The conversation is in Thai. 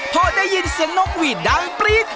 พอได้ยินเสียงนกหวีดดังปรี๊ด